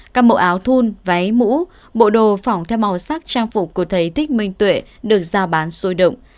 các mẫu áo thun váy mũ bộ đồ phỏng theo màu sắc trang phục của thầy thích minh tuệ được giao bán sôi động